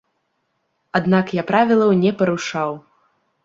Аднак я правілаў не парушаў.